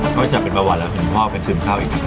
ก็จะเป็นมะหวานแล้วเห็นพ่อเป็นชื่นข้าวอีกครับ